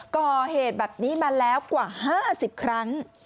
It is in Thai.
ก่อเหตุแบบนี้มาแล้วกว่า๕๐ครั้ง